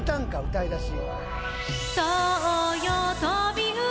歌いだし。